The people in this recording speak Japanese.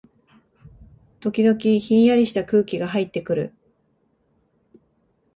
時々、ひんやりした空気がはいってくる